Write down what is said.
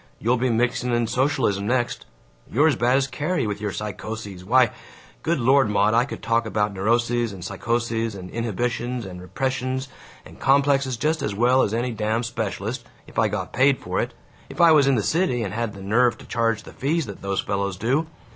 You'll be mixing in socialism next! You're as bad as Carrie, with your 'psychoses.' Why, Good Lord, Maud, I could talk about neuroses and psychoses and inhibitions and repressions and complexes just as well as any damn specialist, if I got paid for it, if I was in the city and had the nerve to charge the fees that those fellows do.